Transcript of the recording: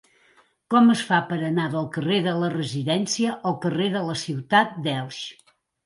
Com es fa per anar del carrer de la Residència al carrer de la Ciutat d'Elx?